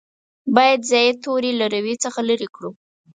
باید زاید توري له روي څخه لرې کړو.